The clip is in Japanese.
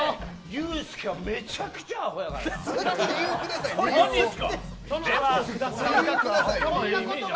ユースケはめちゃくちゃアホやからな。